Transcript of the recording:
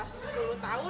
biasanya kan pakai sirup